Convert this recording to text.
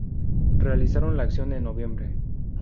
Realizaron la acción en noviembre.